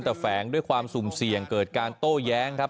แต่แฝงด้วยความสุ่มเสี่ยงเกิดการโต้แย้งครับ